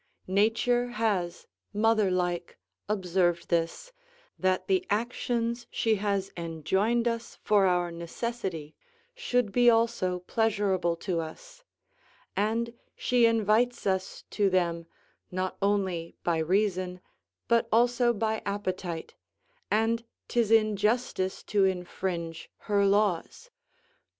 Nature has mother like observed this, that the actions she has enjoined us for our necessity should be also pleasurable to us; and she invites us to them, not only by reason, but also by appetite, and 'tis injustice to infringe her laws.